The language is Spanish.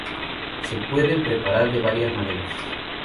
Se pueden preparar de varias maneras.